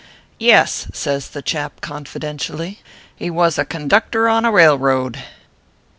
"Yes/ says the chap confidentially, "he was a conductor on a railroad."